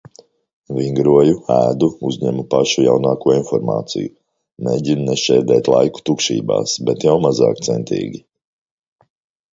Vingroju. Ēdu. Uzņemu pašu jaunāko informāciju. Mēģinu nešķērdēt laiku tukšībās, bet jau mazāk centīgi.